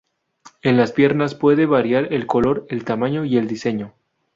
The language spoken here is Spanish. En las piernas puede variar el color el tamaño y el diseño.